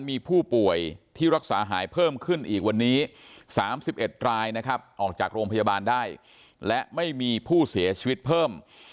มีผู้ป่วยที่รักษาหายเพิ่มขึ้นอีกวันนี้๓๑รายนะครับออกจากโรงพยาบาลได้และไม่มีผู้เสียชีวิตเพิ่ม